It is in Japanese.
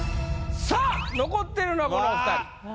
さあ残ってるのはこのお二人。